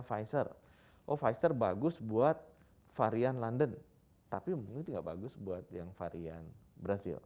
pfizer oh pfizer bagus buat varian london tapi itu nggak bagus buat yang varian brazil